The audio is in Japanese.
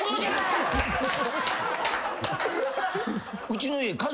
うちの家。